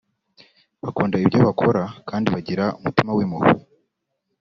bakunda ibyo bakora kandi bagira umutima w’impuhwe